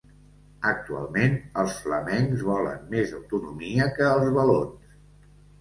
Actualment, els flamencs volen més autonomia que els valons.